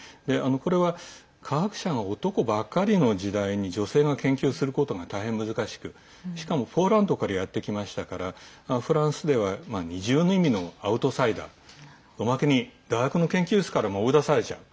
これは科学者が男ばかりの時代に女性が研究することが大変難しくしかも、ポーランドからやってきましたからフランスでは二重の意味のアウトサイダーおまけに大学の研究室からも追い出されちゃう。